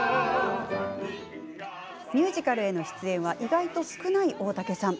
ミュージカルへの出演は意外と少ない大竹さん。